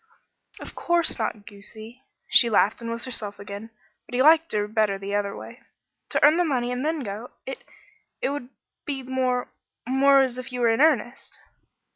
"Of course not goosey." She laughed and was herself again, but he liked her better the other way. "To earn the money and then go. It it would be more more as if you were in earnest."